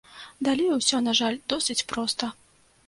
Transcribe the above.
Далей усё, на жаль, досыць проста.